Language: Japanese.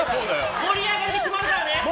盛り上がりで決まるからね！